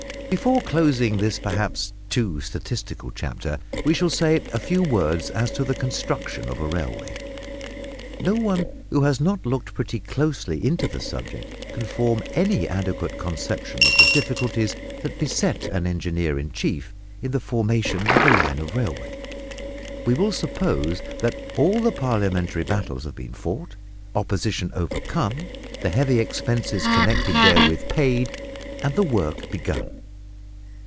Before closing this perhaps too statistical chapter, we shall say a few words as to the construction of a railway. No one who has not looked pretty closely into the subject can form any adequate conception of the difficulties that beset an engineer in chief in the formation of a line of railway. We will suppose that all the Parliamentary battles have been fought, opposition overcome, the heavy expenses connected therewith paid, and the work begun.